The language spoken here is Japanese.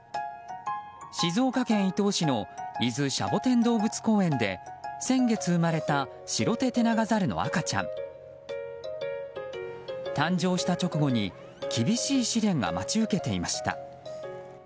静岡県伊東市の伊豆シャボテン動物公園で先月生まれたシロテテナガザルの赤ちゃん誕生した直後に厳しい試練が待ち受けていました。